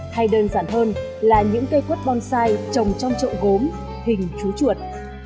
hay đơn giản hơn là những cây quất bonsai trồng trong trậu gốm hình chú chuột